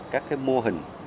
các mô hình